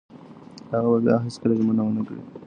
هغه به بیا هیڅکله ژمنه ونه کړي.